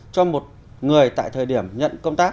cho một người tại thời điểm nhận công tác